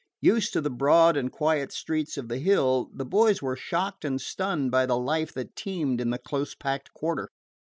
Used to the broad and quiet streets of the Hill, the boys were shocked and stunned by the life that teemed in the close packed quarter.